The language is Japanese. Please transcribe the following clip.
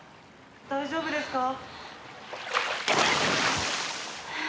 大丈夫ですか？